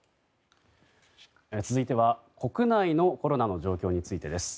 続いては、国内のコロナの状況についてです。